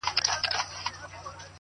خلک د پېښې خبري کوي,